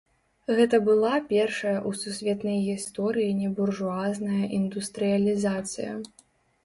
Гэта была першая ў сусветнай гісторыі небуржуазная індустрыялізацыя.